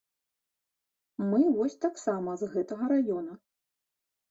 Мы вось таксама з гэтага раёна.